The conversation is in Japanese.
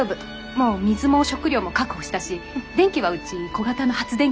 もう水も食料も確保したし電気はうち小型の発電機あるから。